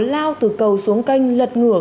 lao từ cầu xuống canh lật ngửa